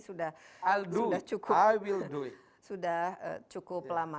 sudah cukup lama